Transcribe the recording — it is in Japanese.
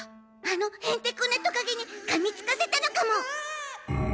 あのヘンテコなトカゲにかみつかせたのかも。